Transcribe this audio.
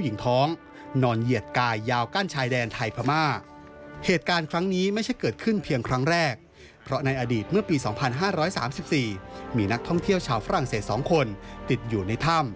เห็นยาวชาวฝรั่งเศส๒คนติดอยู่ในถ้ำ